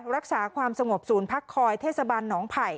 รักษาความสงบศูนย์พักคอยเทศบาลหนองไผ่